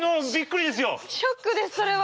ショックですそれは。